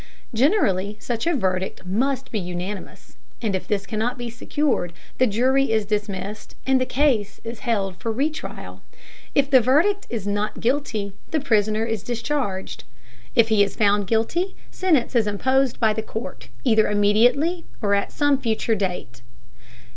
Generally such a verdict must be unanimous, and if this cannot be secured, the jury is dismissed and the case is held for re trial. If the verdict is "not guilty," the prisoner is discharged; if he is found guilty, sentence is imposed by the court, either immediately or at some future date.